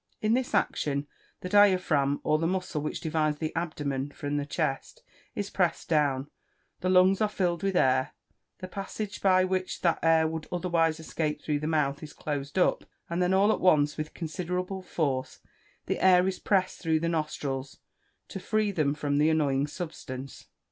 In this action, the diaphragm, or the muscle which divides the abdomen from the chest, is pressed down, the lungs are filled with air, the passage by which that air would otherwise escape through the mouth, is closed up, and then, all at once, with considerable force, the air is pressed through the nostrils, to free them from the annoying substance.